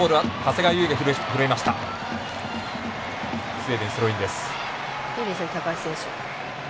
スウェーデンのスローインです。